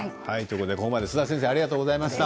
ここまで須田先生ありがとうございました。